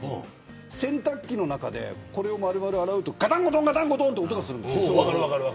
洗濯機の中でこれを洗うとガタンゴトンと音がするんです。